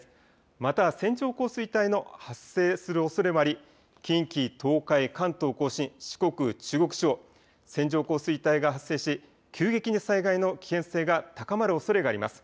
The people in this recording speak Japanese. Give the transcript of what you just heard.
また線状降水帯の発生するおそれもあり近畿、東海、関東甲信、四国、中国地方、線状降水帯が発生し急激に災害の危険性が高まるおそれがあります。